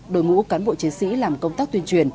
đội ngũ cán bộ chiến sĩ làm công tác tuyên truyền